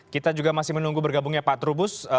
kita juga masih menunggu bergabungnya pak trubus